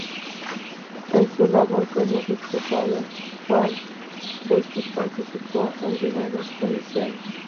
En su labor como diputado, Juan Bustos participó en diversas comisiones.